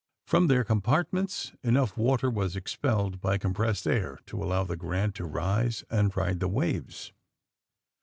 Prom the compart ments enough water was expelled by com pressed air to allow the Grant" to rise and ride the waves.